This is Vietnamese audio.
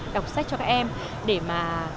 đọc sách cho các em để mà